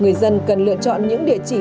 người dân cần lựa chọn những địa chỉ